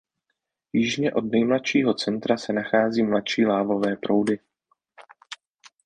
Jižně od nejmladšího centra se nacházejí mladší lávové proudy.